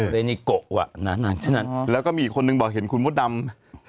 เรนิโกะนานานแล้วก็มีอีกคนนึงบอกเห็นคุณมดดำ